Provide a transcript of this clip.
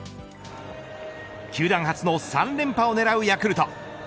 球団初の３連覇を狙うヤクルト